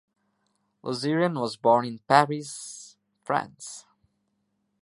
Lusseyran was born in Paris, France.